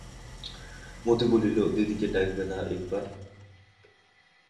মতি বলিল, দিদিকে ডাকবে না একবার?